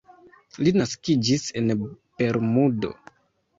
Li naskiĝis en Bermudo.